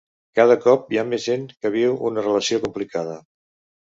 Cada cop hi ha més gent que viu una relació complicada.